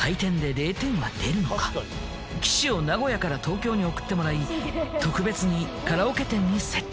この機種を名古屋から東京に送ってもらい特別にカラオケ店に設置。